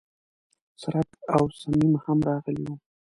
څرک او صمیم هم راغلي و.